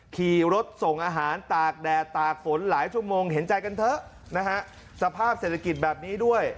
ขี่รถส่งอาหารตากแดดตากฝนหลายชั่วโมงเห็นใจกันเถอะนะฮะสภาพเศรษฐกิจแบบนี้ด้วย